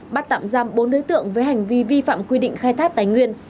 bắt tạm giam bốn đối tượng với hành vi vi phạm quy định khai thác tài nguyên